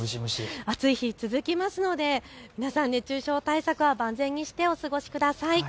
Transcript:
暑い日、続きますので皆さん熱中症対策は万全にしてお過ごしください。